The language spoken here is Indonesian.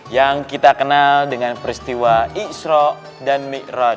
yang kita kenal dengan peristiwa islam